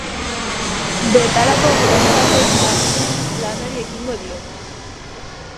Bertako gidari batek lagundurik lanari ekingo dio.